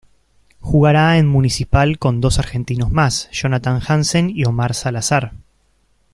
Jugará en Municipal con dos Argentinos más Jonathan Hansen y Omar Zalazar.